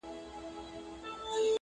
چي هر مړی ښخېدی همدا کیسه وه!!